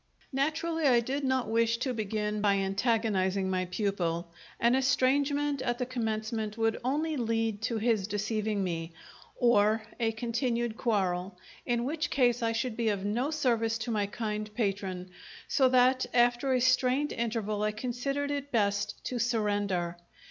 Naturally, I did not wish to begin by antagonizing my pupil an estrangement at the commencement would only lead to his deceiving me, or a continued quarrel, in which case I should be of no service to my kind patron, so that after a strained interval I considered it best to surrender.